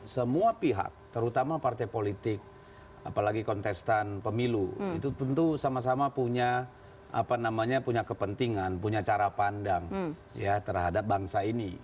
semua pihak terutama partai politik apalagi kontestan pemilu itu tentu sama sama punya kepentingan punya cara pandang terhadap bangsa ini